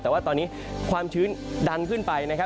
แต่ว่าตอนนี้ความชื้นดันขึ้นไปนะครับ